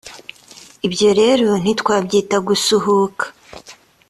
ibyo rero ntitwabyita gusuhuka